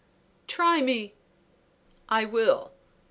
"Try me!" "I will.